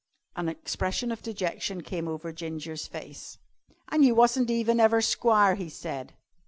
An expression of dejection came over Ginger's face. "An' you wasn't even ever squire," he said.